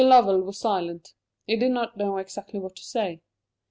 Lovell was silent; he did not know exactly what to say.